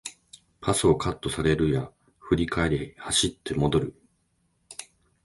パスをカットされるや振り返り走って戻る